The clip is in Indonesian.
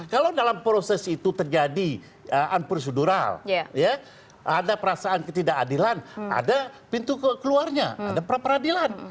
kalau dalam proses itu terjadi unprocedural ada perasaan ketidakadilan ada pintu keluarnya ada pra peradilan